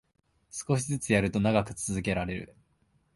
少しずつやると長く続けられる